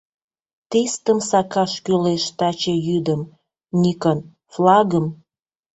Тистым сакаш кӱлеш таче йӱдым, Никон, флагым!